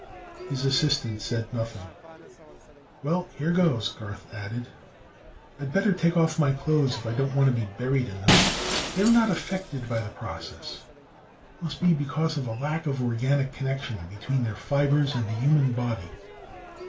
His assistant said nothing. "Well, here goes," Garth added. "I'd better take off my clothes if I don't want to be buried in them. They're not affected by the process. Must be because of the lack of organic connection between their fibers and the human body."